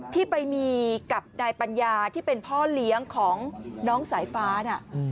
ที่ไปมีกับนายปัญญาที่เป็นพ่อเลี้ยงของน้องสายฟ้าน่ะ